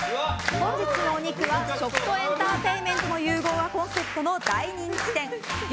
本日のお肉は食とエンターテインメントの融合がコンセプトの大人気店牛